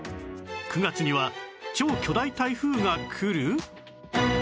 ９月には超巨大台風が来る！？